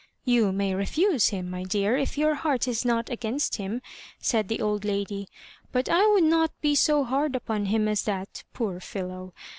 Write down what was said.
" You may refuse him, my dear, if your heart is not against him," said the old lady ;" but I would not be so hard upon him as that, poor fellow.